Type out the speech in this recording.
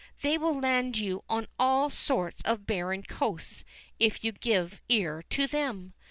"They will land you on all sorts of barren coasts if you give ear to them.